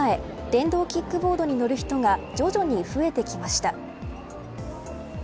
電動キックボードに乗る人が徐々に増えてきました。